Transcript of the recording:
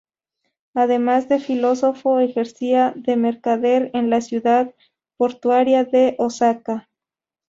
Además de filósofo, ejercía de mercader en la ciudad portuaria de Osaka.